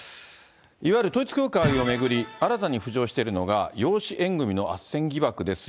いわゆる統一教会を巡り、新たに浮上しているのが養子縁組のあっせん疑惑です。